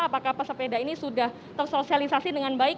apakah pesepeda ini sudah tersosialisasi dengan baik